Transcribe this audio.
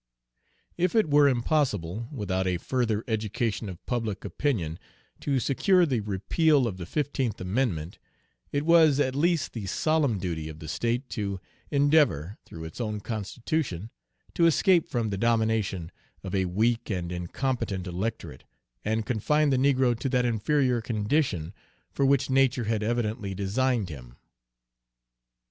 If it were impossible, without a further education of public opinion, to secure the repeal of the fifteenth amendment, it was at least the solemn duty of the state to endeavor, through its own constitution, to escape from the domination of a weak and incompetent electorate and confine the negro to that inferior condition for which nature had evidently designed him.